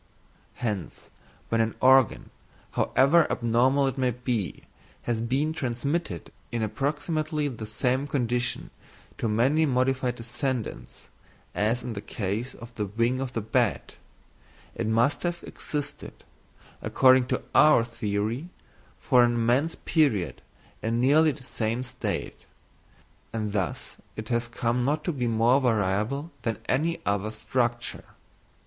Hence, when an organ, however abnormal it may be, has been transmitted in approximately the same condition to many modified descendants, as in the case of the wing of the bat, it must have existed, according to our theory, for an immense period in nearly the same state; and thus it has come not to be more variable than any other structure.